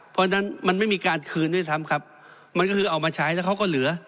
เพราะฉะนั้นมันไม่มีการคืนด้วยซ้ำครับมันก็คือเอามาใช้แล้วเขาก็เหลือ